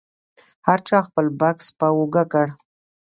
هر چا خپل بکس په اوږه کړ.